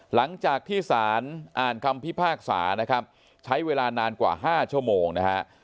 หลังจากที่สารอ่านคำพิพากษานะครับใช้เวลานานกว่า๕ชั่วโมงนะฮะ